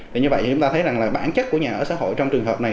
thì như vậy chúng ta thấy rằng là bản chất của nhà ở xã hội trong trường hợp này